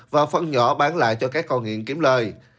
và phân nhỏ bán lại cho các con nghiện kiếm lời